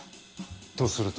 とすると？